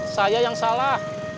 saya yang salah